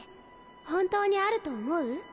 本当にあると思う？